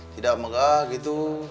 tidak megah gitu